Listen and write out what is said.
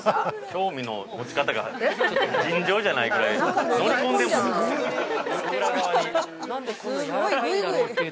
◆興味の持ち方がちょっと尋常じゃないぐらい。